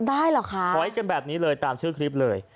เหรอคะถอยกันแบบนี้เลยตามชื่อคลิปเลย